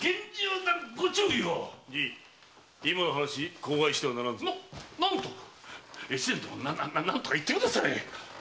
じい今の話口外してはならんぞ。何と⁉越前殿何とか言ってくだされ！